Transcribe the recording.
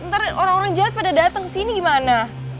ntar orang orang jahat pada datang ke sini gimana